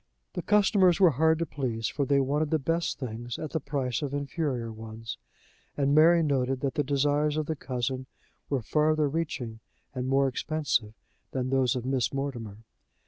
The customers were hard to please, for they wanted the best things at the price of inferior ones, and Mary noted that the desires of the cousin were farther reaching and more expensive than those of Miss Mortimer.